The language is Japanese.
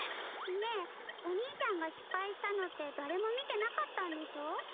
ねえお兄ちゃんがしっぱいしたのってだれも見てなかったんでしょ？